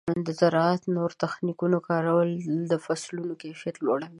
د زراعت د نوو تخنیکونو کارول د فصلونو کیفیت لوړوي.